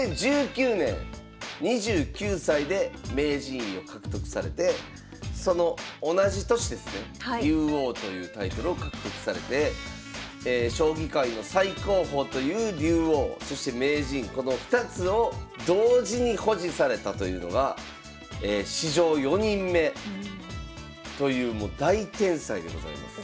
２０１９年２９歳で名人位を獲得されてその同じ年ですね竜王というタイトルを獲得されて将棋界の最高峰という竜王そして名人この２つを同時に保持されたというのは史上４人目というもう大天才でございます。